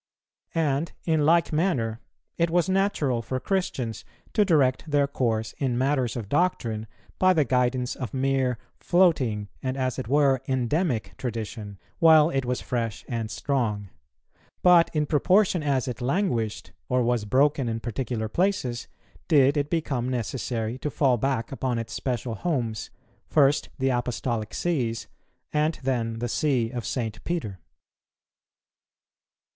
And, in like manner, it was natural for Christians to direct their course in matters of doctrine by the guidance of mere floating, and, as it were, endemic tradition, while it was fresh and strong; but in proportion as it languished, or was broken in particular places, did it become necessary to fall back upon its special homes, first the Apostolic Sees, and then the See of St. Peter.